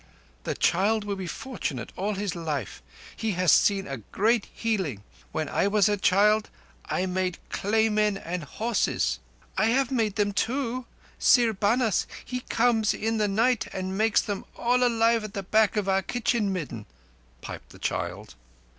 "The child will be fortunate all his life. He has seen a great healing. When I was a child I made clay men and horses." "I have made them too. Sír Banás, he comes in the night and makes them all alive at the back of our kitchen midden," piped the child.